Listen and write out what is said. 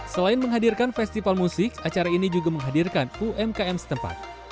selain menghadirkan festival musik acara ini juga menghadirkan umkm setempat